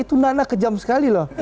itu nana kejam sekali loh